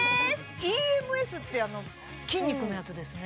ＥＭＳって筋肉のやつですね